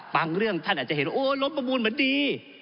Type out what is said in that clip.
เรื่องท่านอาจจะเห็นโอ้ล้มประมูลเหมือนดี